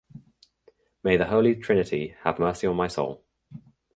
May the Holy Trinity have mercy on my soul"".